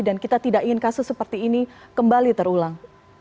dan kita tidak ingin kasus seperti ini kembali terulang